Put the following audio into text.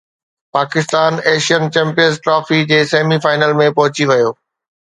Pakistan Asian champions trophy جي semi final ۾ پهچي ويو